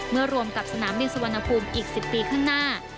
รวมกับสนามบินสุวรรณภูมิอีก๑๐ปีข้างหน้า